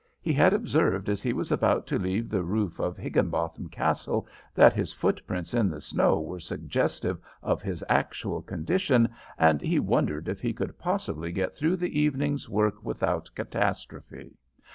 He had observed as he was about to leave the roof of Higginbottom Castle that his footprints in the snow were suggestive of his actual condition, and he wondered if he could possibly get through the evening's work without catastrophe.